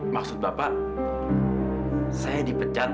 maksud bapak saya dipecat